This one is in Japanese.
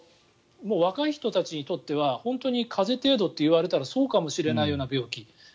若い人たちにとっては本当に風邪程度といわれたらそうかもしれないような病気。